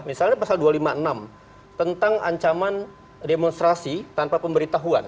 misalnya pasal dua ratus lima puluh enam tentang ancaman demonstrasi tanpa pemberitahuan